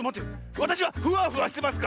わたしはフワフワしてますか？